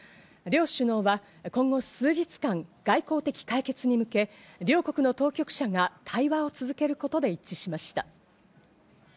両首脳は今後数日間、外交的解決に向け、両国の当局者が対話を続けることで一致しました。